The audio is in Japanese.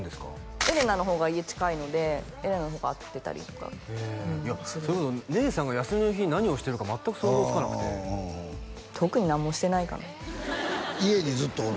えれなの方が家近いのでえれなの方が会ってたりとかへえいやそれこそ姉さんが休みの日に何をしてるか全く想像つかなくてうんうん特に何もしてないかな家にずっとおるの？